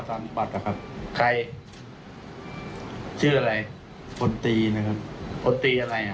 บัตรนะครับใครชื่ออะไรพลตีนะครับคนตีอะไรอ่ะ